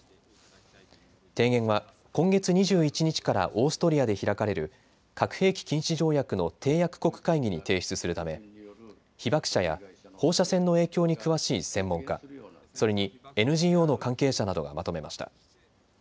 提言は今月２１日からオーストリアで開かれる核兵器禁止条約の締約国会議に提出するため被爆者や放射線の影響に詳しい専門家、それにＮＧＯの関係者などがまとめました。